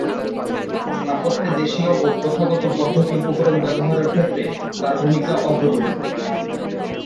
স্থাপত্যে দেশীয় ও প্রথাগত পদ্ধতি-উপকরণ ব্যবহারের ক্ষেত্রে তার ভূমিকা অগ্রগণ্য।